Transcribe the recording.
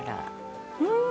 うん！